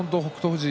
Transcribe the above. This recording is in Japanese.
富士